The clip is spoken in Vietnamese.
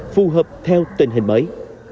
phù hợp theo tình hình mới